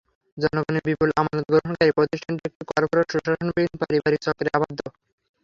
জনগণের বিপুল আমানত গ্রহণকারী প্রতিষ্ঠানটি একটি করপোরেট সুশাসনবিহীন পারিবারিক চক্রে আবদ্ধ।